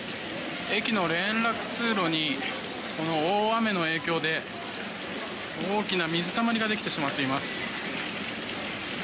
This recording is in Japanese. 駅の連絡通路にこの大雨の影響で大きな水たまりができてしまっています。